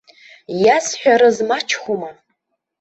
Иазҳәарыз мачхәума.